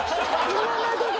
今までが。